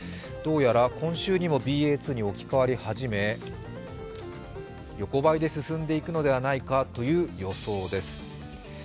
どうやら今週にもＢＡ．２に置き換わり始め横ばいで進んでいくのではないかという予想です。